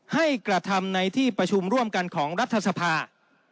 ให้กระทำในที่ประชุมร่วมกันของรัฐสภา